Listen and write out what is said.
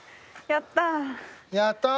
やったー！